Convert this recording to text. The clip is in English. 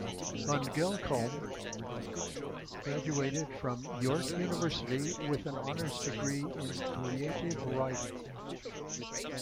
Van Belkom graduated from York University with an honors degree in creative writing.